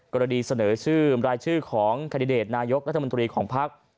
กรดีเสนอรายชื่อของคาริเดร์นายกรรธอย่างมุมนโตรีของภักดิ์